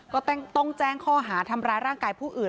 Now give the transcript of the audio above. ก็ต้องแจ้งข้อหาทำร้ายร่างกายผู้อื่น